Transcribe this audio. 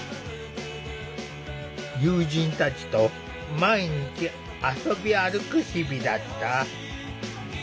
友人たちと毎日遊び歩く日々だった。